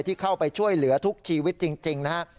ที่เข้าไปช่วยเหลือทุกชีวิตจริงนะฮะ